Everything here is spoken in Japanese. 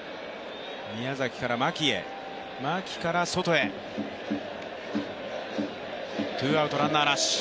宮崎から牧へ、牧からソトへ、ツーアウトランナーなし。